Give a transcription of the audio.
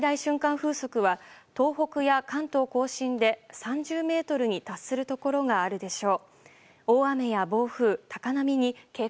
風速は東北や関東・甲信で３０メートルに達するところがあるでしょう。